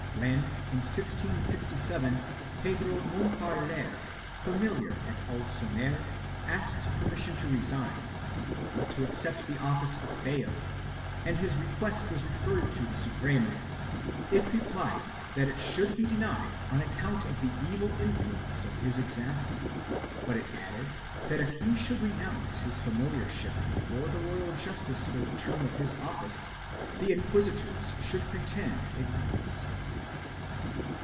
When, in 1667, Pedro Momparler, familiar at Alconer, asked permission to resign, in order to accept the office of bayle, and his request was referred to the Suprema, it replied that it should be denied on account of the evil influence of his example, but it added that if he should renounce his familiarship before the royal justice for the term of his office, the inquisitors should pretend ignorance.